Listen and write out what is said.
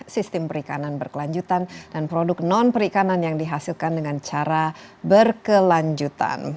sistem perikanan berkelanjutan dan produk non perikanan yang dihasilkan dengan cara berkelanjutan